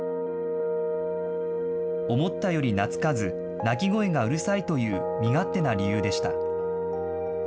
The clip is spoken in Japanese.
思ったより懐かず、鳴き声がうるさいという身勝手な理由でした。